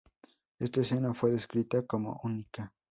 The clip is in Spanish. Esta escena fue descrita como única.